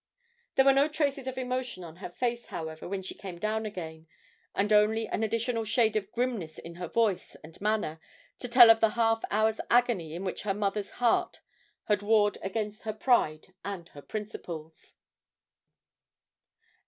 There were no traces of emotion on her face, however, when she came down again, and only an additional shade of grimness in her voice and manner to tell of the half hour's agony in which her mother's heart had warred against her pride and her principles.